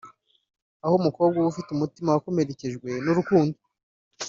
aho umukobwa uba ufite umutima wakomerekejwe n’urukundo